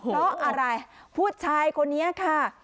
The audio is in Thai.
แล้วอะไรผู้ชายคนนี้ค่ะ